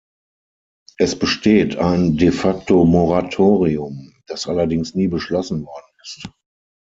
Es besteht ein de-facto-Moratorium, das allerdings nie beschlossen worden ist.